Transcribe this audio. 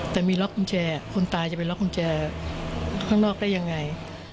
แต่มีล็อกกุญแจคนตายจะไปล็อกกุญแจข้างนอกได้ยังไง